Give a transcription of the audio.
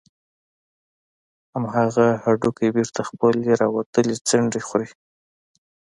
همغه هډوکى بېرته خپلې راوتلې څنډې خوري.